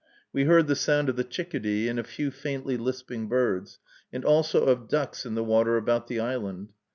We heard the sound of the chickadee, and a few faintly lisping birds, and also of ducks in the water about the island.